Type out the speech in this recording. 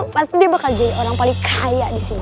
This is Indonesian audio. pasti dia bakal jadi orang paling kaya disini